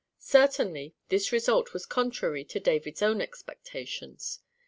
Certainly, this result was contrary to David's own expectations.